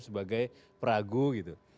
sebagai peragu gitu